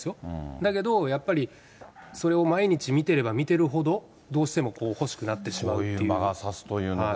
だけど、やっぱりそれを毎日見てれば見てるほど、どうしても欲し魔が差すというか。